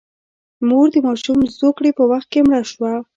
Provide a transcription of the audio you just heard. مور د ماشوم زوکړې په وخت کې مړه شوه.